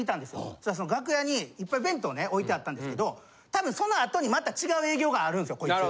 そしたらその楽屋にいっぱい弁当をね置いてあったんですけど多分そのあとにまた違う営業があるんすよこいつ。